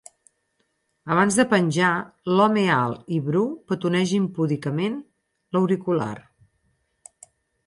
Abans de penjar, l'home alt i bru petoneja impúdicament l'auricular.